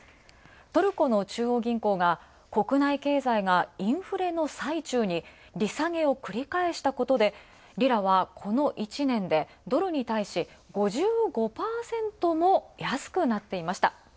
トルコの中央銀行が国内経済がインフレの最中に、利下げを繰り返したことでリラは、この１年でドルに対し、５５％も安くなっていました。